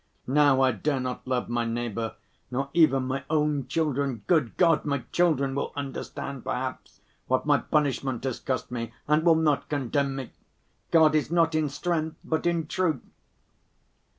Now I dare not love my neighbor nor even my own children. Good God, my children will understand, perhaps, what my punishment has cost me and will not condemn me! God is not in strength but in truth."